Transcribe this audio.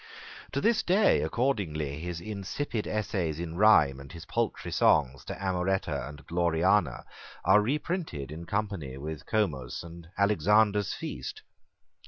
To this day accordingly his insipid essays in rhyme and his paltry songs to Amoretta and Gloriana are reprinted in company with Comus and Alexander's Feast.